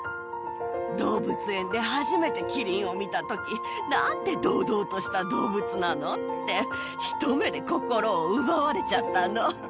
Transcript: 動物園で初めてキリンを見たとき、なんて堂々とした動物なのって、一目で心を奪われちゃったの。